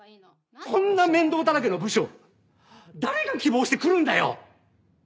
こんな面倒だらけの部署誰が希望して来るんだよ！